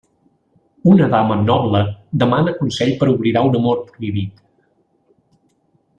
Una dama noble demana consell per oblidar un amor prohibit.